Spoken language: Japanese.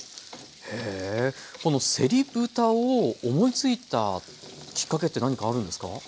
へえこのせり豚を思いついたきっかけって何かあるんですか？